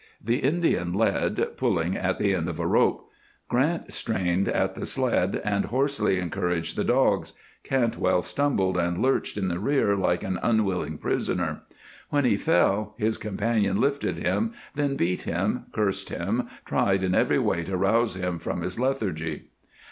The Indian led, pulling at the end of a rope; Grant strained at the sled and hoarsely encouraged the dogs; Cantwell stumbled and lurched in the rear like an unwilling prisoner. When he fell his companion lifted him, then beat him, cursed him, tried in every way to rouse him from his lethargy.